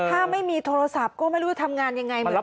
ถ้าไม่มีโทรศัพท์ก็ไม่รู้จะทำงานยังไงเหมือนกัน